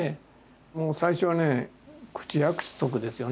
もう最初はね口約束ですよね。